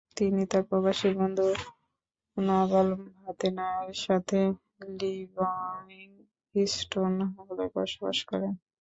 তিনি তার পারসী বন্ধু “নাভাল ভাতেনা”র সাথে লিভিংস্টোন হলে বসবাস করেন।